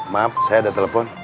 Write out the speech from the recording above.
maaf saya ada telepon